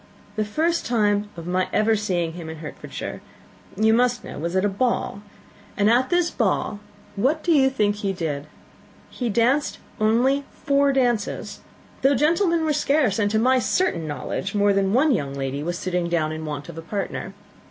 The first time of my ever seeing him in Hertfordshire, you must know, was at a ball and at this ball, what do you think he did? He danced only four dances! I am sorry to pain you, but so it was. He danced only four dances, though gentlemen were scarce; and, to my certain knowledge, more than one young lady was sitting down in want of a partner.